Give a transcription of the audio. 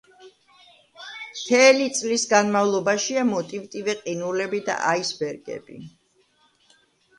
მთელი წლის განმავლობაშია მოტივტივე ყინულები და აისბერგები.